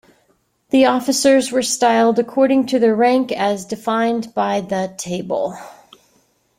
The officers were styled according to their rank as defined by the Table.